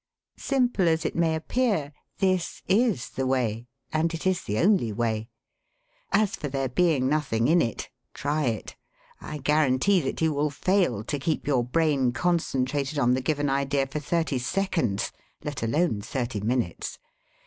Simple as it may appear, this is the way, and it is the only way. As for there being nothing in it, try it. I guarantee that you will fail to keep your brain concentrated on the given idea for thirty seconds let alone thirty minutes.